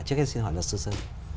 trước hết xin hỏi lật sơ sơ